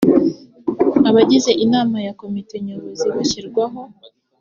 abagize inama ya komite nyobozi bashirwaho